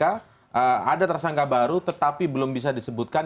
ada tersangka baru tetapi belum bisa disebutkan